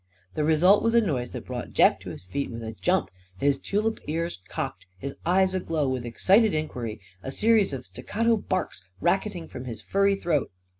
The result was a noise that brought Jeff to his feet with a jump; his tulip ears cocked, his eyes aglow with excited inquiry; a series of staccato barks racketing from his furry throat.